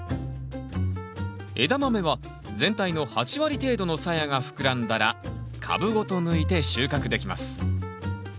エダマメは全体の８割程度のさやが膨らんだら株ごと抜いて収穫できます